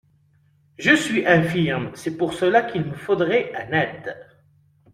Je suis infirme ; c'est pour cela qu'il me faudrait un aide.